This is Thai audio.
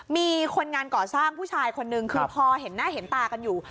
มีคนงานก่อสร้างผู้ชายคนนึงคือพอเห็นหน้าเห็นตากันอยู่